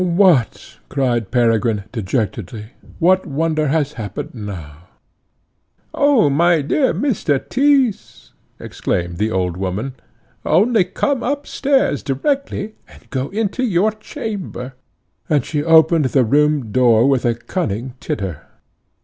"What?" cried Peregrine dejectedly, "what wonder has happened now?" "Oh, my dear Mr. Tyss!" exclaimed the old woman, "only come up stairs directly, and go into your chamber." And she opened the room door with a cunning titter.